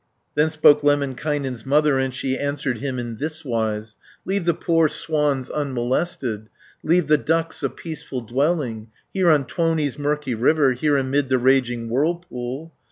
Then spoke Lemminkainen's mother, And she answered him in thiswise: "Leave the poor swans unmolested, Leave the ducks a peaceful dwelling, Here on Tuoni's murky river, Here amid the raging whirlpool!